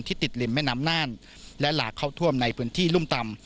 ติดริมแม่น้ำน่านและหลากเข้าท่วมในพื้นที่รุ่มต่ำ